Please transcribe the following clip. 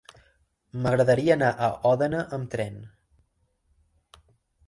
M'agradaria anar a Òdena amb tren.